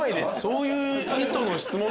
そういう意図の質問だった？